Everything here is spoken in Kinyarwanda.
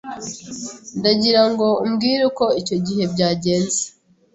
ndagira ngo umbwire uko icyo gihe byagenze